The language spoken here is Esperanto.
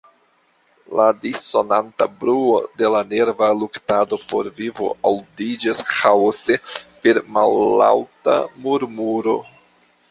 La dissonanta bruo de la nerva luktado por vivo aŭdiĝas ĥaose per mallaŭta murmuro.